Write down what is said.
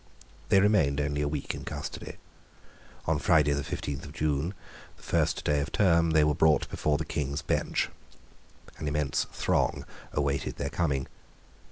They remained only a week in custody. On Friday the fifteenth of June, the first day of term, they were brought before the King's Bench. An immense throng awaited their coming.